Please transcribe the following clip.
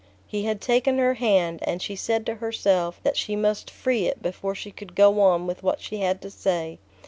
He had taken her hand, and she said to herself that she must free it before she could go on with what she had to say.